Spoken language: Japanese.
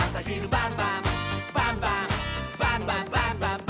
「バンバンバンバンバンバン！」